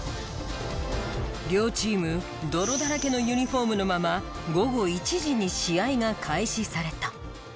両チーム泥だらけのユニホームのまま午後１時に試合が開始された。